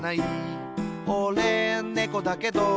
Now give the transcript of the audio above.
「おれ、ねこだけど」